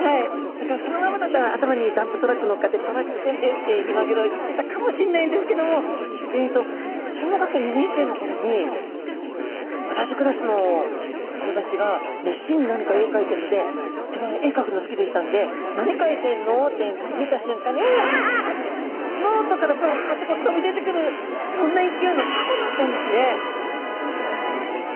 だからそのままだと頭にダンプトラックのっかってトラックくんですって今頃言ってたかもしんないんですけどもえっと小学２年生の頃に同じクラスの友達が熱心に何か絵描いてるので自分は絵描くの好きでしたんで何描いてんの？って見た瞬間にわあ！ってノートからぶわっとこう飛び出てくるそんな勢いのタコだったんですね。